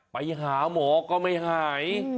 ไปหาหมอก็ไม่หาย